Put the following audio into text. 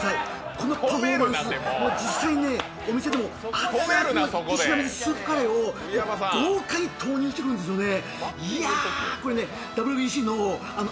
このパフォーマンス、実際にお店でもアツアツのスープカレーを豪快に投入してくるんですよね。